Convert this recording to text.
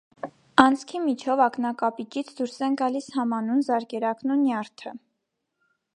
Անցքի միջով ակնակապճից դուրս են գալիս համանուն զարկերակն ու նյարդը։